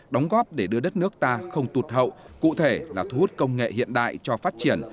đóng góp để đưa đất nước ta không tụt hậu cụ thể là thu hút công nghệ hiện đại cho phát triển